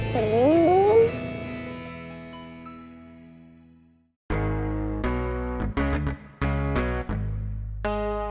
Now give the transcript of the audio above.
terima kasih ibu